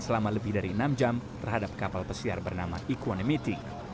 selama lebih dari enam jam terhadap kapal pesiar bernama equanimity